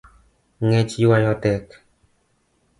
Ngech ywayo tek